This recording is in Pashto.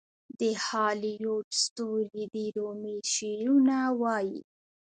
د هالیووډ ستوري د رومي شعرونه وايي.